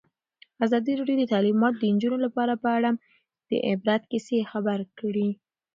ازادي راډیو د تعلیمات د نجونو لپاره په اړه د عبرت کیسې خبر کړي.